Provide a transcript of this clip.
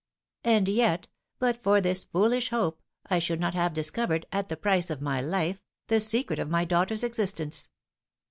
"And yet, but for this foolish hope, I should not have discovered, at the price of my life, the secret of my daughter's existence.